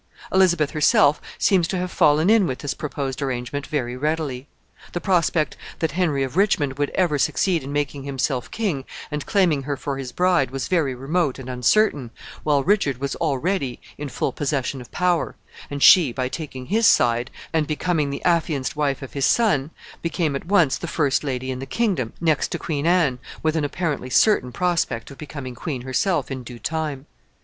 Elizabeth herself seems to have fallen in with this proposed arrangement very readily. The prospect that Henry of Richmond would ever succeed in making himself king, and claiming her for his bride, was very remote and uncertain, while Richard was already in full possession of power; and she, by taking his side, and becoming the affianced wife of his son, became at once the first lady in the kingdom, next to Queen Anne, with an apparently certain prospect of becoming queen herself in due time.